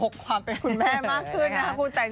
คุณแม่มากขึ้นนะคะคุณ